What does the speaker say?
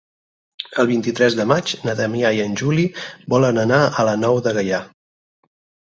El vint-i-tres de maig na Damià i en Juli volen anar a la Nou de Gaià.